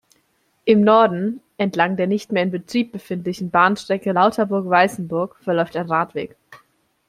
Im Norden, entlang der nicht mehr in Betrieb befindlichen Bahnstrecke Lauterburg-Weißenburg, verläuft ein Radweg.